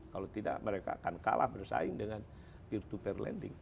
kalau tidak mereka akan kalah bersaing dengan p dua p lending